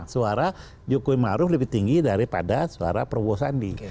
suara jokowi maruf lebih tinggi daripada suara prabowo sandi